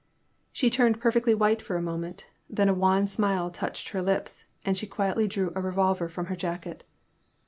She turned perfectly white for a moment, then a wan smile touched her lips, and she quietly drew a revolver from her jacket.